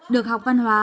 được học văn hóa